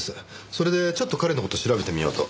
それでちょっと彼の事を調べてみようと。